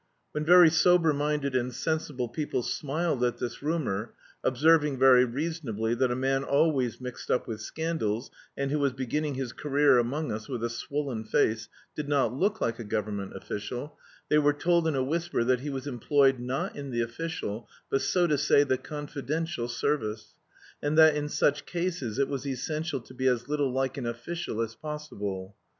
When very sober minded and sensible people smiled at this rumour, observing very reasonably that a man always mixed up with scandals, and who was beginning his career among us with a swollen face did not look like a government official, they were told in a whisper that he was employed not in the official, but, so to say, the confidential service, and that in such cases it was essential to be as little like an official as possible.